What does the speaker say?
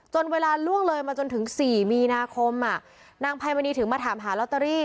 เวลาล่วงเลยมาจนถึง๔มีนาคมนางไพมณีถึงมาถามหาลอตเตอรี่